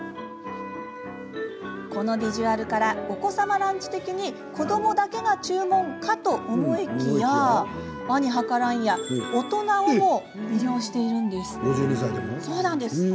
このビジュアルからお子様ランチ的に子どもだけが注文、かと思いきやあにはからんや大人をも魅了しているんです。